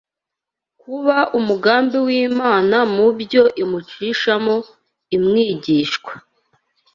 kuba umugambi w’Imana mu byo imucishamo imwigishwa